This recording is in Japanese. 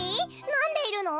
なんでいるの？